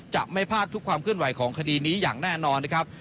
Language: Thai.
จะไม่พลาดทุกความเคลื่อนไหวของคดีนี้อย่างแน่นอนนะครับ